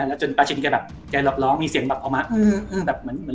แล้วจนปลาชินแกแบบแกรอบร้องมีเสียงแบบเอามาอืมอืมแบบเหมือนเหมือน